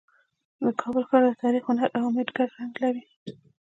د کابل ښار د تاریخ، هنر او امید ګډ رنګ لري.